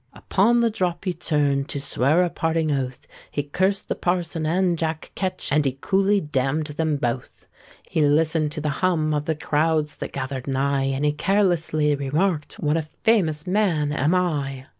Upon the drop he turned To swear a parting oath; He cursed the parson and Jack Ketch, And he coolly damned them both. He listened to the hum Of the crowds that gathered nigh; And he carelessly remarked, "What a famous man am I!"